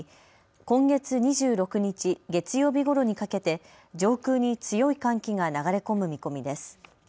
今月２６日月曜日ごろにかけて上空に強い寒気が流れ込む見込みです。